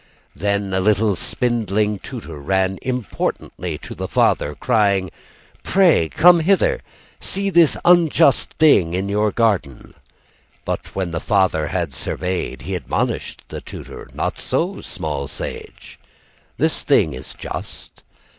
Then a little spindling tutor Ran importantly to the father, crying: "Pray, come hither! "See this unjust thing in your garden!" But when the father had surveyed, He admonished the tutor: "Not so, small sage! "This thing is just.